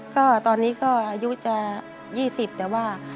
ก็ตอนนี้ก็อายุจะ๒๐แต่ว่า